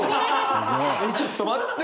ちょっと待ってよ